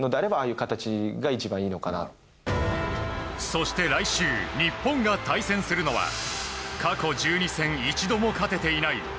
そして来週日本が対戦するのは過去１２戦一度も勝てていないＦＩＦＡ